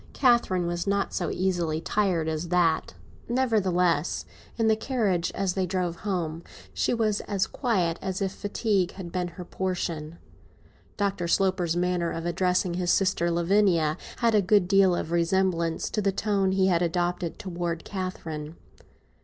Catherine was not so easily tired as that. Nevertheless, in the carriage, as they drove home, she was as quiet as if fatigue had been her portion. Dr. Sloper's manner of addressing his sister Lavinia had a good deal of resemblance to the tone he had adopted towards Catherine.